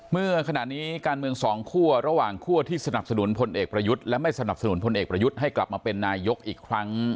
เมื่อขณะนี้การเมืองสองคั่วระหว่างคั่วที่สนับสนุนพลเอกประยุทธ์และไม่สนับสนุนพลเอกประยุทธ์ให้กลับมาเป็นนายกอีกครั้ง